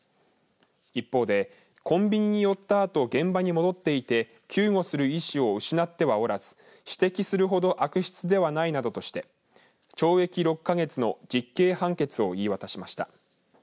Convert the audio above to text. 一方でコンビニに寄ったあと現場に戻っていて救護する意思を失ってはおらず指摘するほど悪質ではないなどとして懲役６か月の実刑判決を言い渡しました。